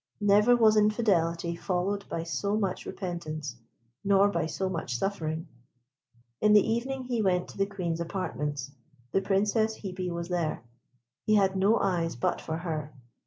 Never was infidelity followed by so much repentance, nor by so much suffering. In the evening he went to the Queen's apartments. The Princess Hebe was there. He had no eyes but for her.